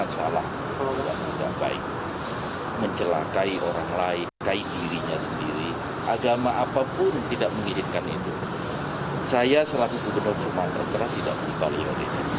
saya pun tidak mengirikan itu saya selagi gubernur sumatera tidak mengetahui hal ini